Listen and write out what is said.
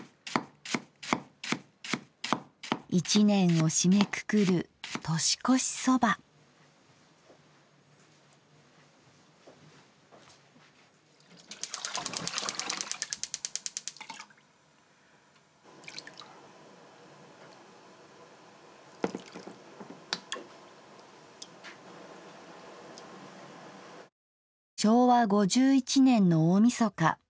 一年を締めくくる昭和５１年の大みそか。